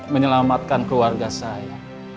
menyelamatkan keluarga saya